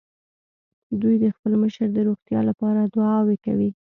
دوی د خپل مشر د روغتيا له پاره دعاوې کولې.